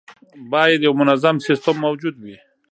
باید یو منظم سیستم موجود وي.